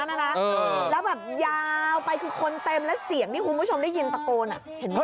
แล้วแบบยาวไปคือคนเต็มและเสียงนี่คุณผู้ชมได้ยินตะโกน